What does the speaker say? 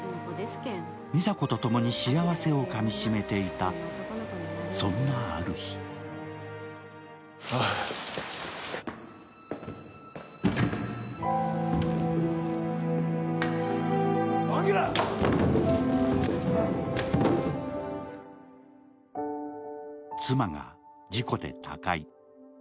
美佐子と共に幸せをかみしめていた、そんなある日妻が事故で他界。